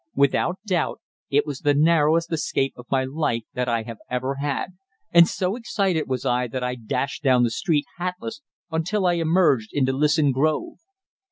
Without doubt it was the narrowest escape of my life that I have ever had, and so excited was I that I dashed down the street hatless until I emerged into Lisson Grove.